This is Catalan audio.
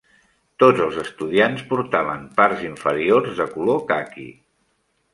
Tots els estudiants portaven parts inferiors de color caqui.